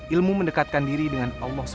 ilmu mendekatkan diri dengan allah sw